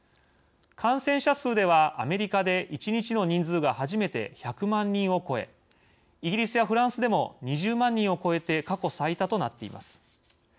感染者数ではアメリカで１日の人数が初めて１００万人を超えイギリスやフランスでも２０万人を超えて過去最多となっています。